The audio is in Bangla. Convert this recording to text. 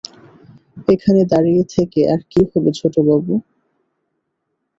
এখানে দাঁড়িয়ে থেকে আর কী হবে ছোটবাবু?